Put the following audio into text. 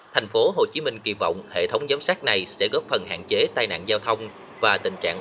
tp hcm kỳ vọng hệ thống giám sát này sẽ góp phần hạn chế tai nạn giao thông và tình trạng